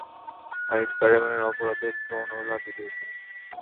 আমি স্পাইডারম্যানের অপরাধের প্রমাণওয়ালা ভিডিও চাই।